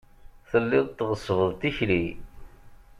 Telliḍ tɣeṣṣbeḍ tikli.